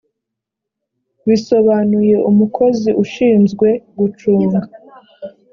bisobanuye umukozi ushinzwe gucunga